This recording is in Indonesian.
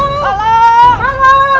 tidak ya bukan berbahaya